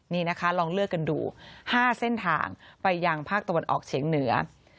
นี่นะคะลองเลือกกันดู๕เส้นทางไปยังภาคตะวันออกเฉียงเหนือ